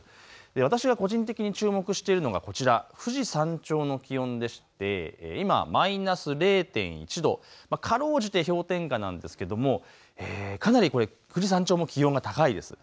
私、個人的に注目しているのがこちら富士山頂の気温でして今マイナス０．１度、かろうじて氷点下なんですけれども、かなり富士山頂も気温が高いです。